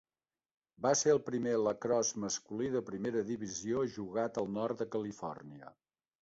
Va ser el primer lacrosse masculí de Primera Divisió jugat al nord de Califòrnia.